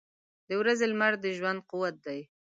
• د ورځې لمر د ژوند قوت دی.